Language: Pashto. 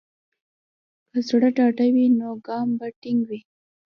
که زړه ډاډه وي، نو ګام به ټینګ وي.